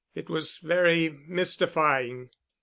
It was very mystifying."